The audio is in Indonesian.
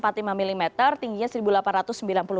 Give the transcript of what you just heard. bima ini untuk harga ini yang kita lihat dulu